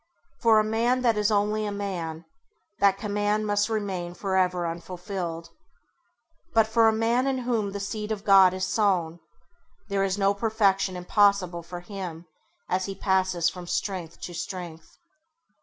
For a man that is only man, that command must remain for ever unfulfilled; but [Page 12] for a man in whom the seed of God is sown, there is no perfection impossible for him as he passes from strength to strength.